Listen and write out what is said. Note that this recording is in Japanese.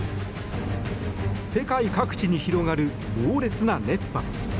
世界各地に広がる猛烈な熱波。